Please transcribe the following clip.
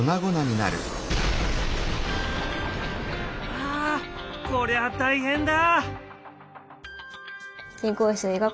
あこりゃあ大変だ！